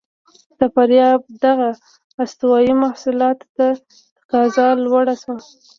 د افریقا دغو استوايي محصولاتو ته تقاضا لوړه شوه.